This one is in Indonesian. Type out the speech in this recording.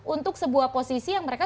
untuk sebuah posisi yang mereka